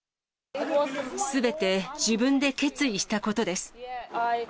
すべて、自分で決意したことです。